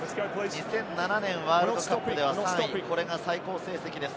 ２００７年ワールドカップでは３位、これが最高成績です。